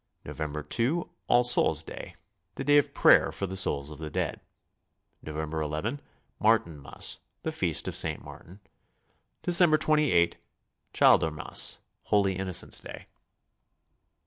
November 2, All Souls' Day, the day of prayer for the so'uls of the dead. November ii, Martinmas, the Feast of St. Martin. December 28, Childer mas, Holy Innocents' Day.